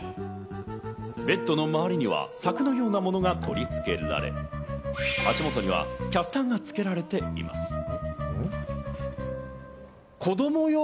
ベッドの周りには柵のようなものが取り付けられ、足元にはキャスターが付けられています。